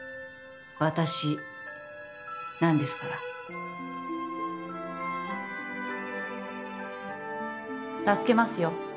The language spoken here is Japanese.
私なんですから助けますよ